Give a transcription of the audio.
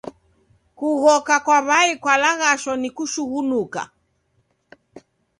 Kughoka kwa w'ai kwalaghashwa ni kushughunuka.